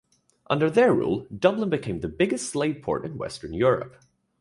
Under their rule, Dublin became the biggest slave port in Western Europe.